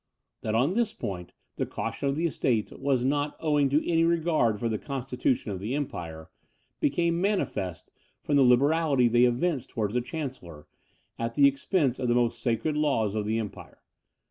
That on this point, the caution of the estates was not owing to any regard for the constitution of the empire, became manifest from the liberality they evinced towards the chancellor, at the expense of the most sacred laws of the empire.